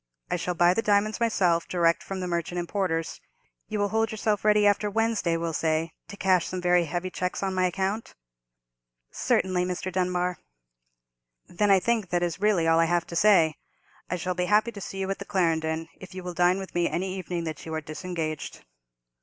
I shall buy the diamonds myself, direct from the merchant importers. You will hold yourself ready after Wednesday, we'll say, to cash some very heavy cheques on my account?" "Certainly, Mr. Dunbar." "Then I think that is really all I have to say. I shall be happy to see you at the Clarendon, if you will dine with me any evening that you are disengaged."